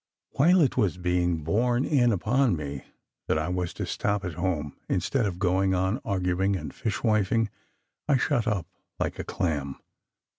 While it was being borne in upon me that I was to stop at home, instead of going on arguing and "fishwifing" I shut up like a clam.